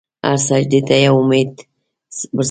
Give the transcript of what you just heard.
هر سجدې ته یو امید ورسره وي.